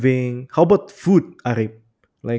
bagaimana dengan makanan arik